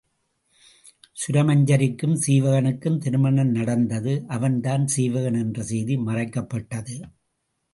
சுரமஞ்சரிக்கும் சீவகனுக்கும் திருமணம் நடந்தது அவன்தான் சீவகன் என்ற செய்தி மறைக்கப்பட்டது.